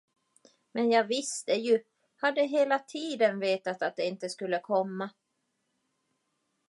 Men jag visste ju, hade hela tiden vetat att det inte skulle komma!